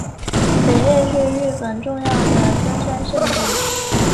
北岳是日本重要的登山圣地。